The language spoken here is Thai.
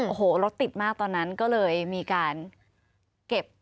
โอ้โหรถติดมากตอนนั้นก็เลยมีการเก็บ